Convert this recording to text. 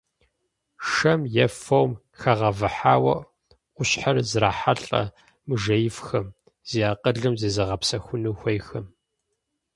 Шэм е фом хэгъэвыхьауэ ӏущхьэр зрахьэлӏэ мыжеифхэм, зи акъылым зезыгъэпсэхуну хуейхэм.